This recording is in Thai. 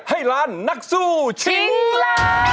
ให้ล้านนักสู้ชิงล้าน